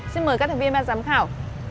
xin mời các thành viên và giám khảo